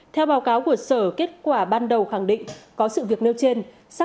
theo báo cáo của sở kết quả ban đầu khẳng định có sự việc nêu trên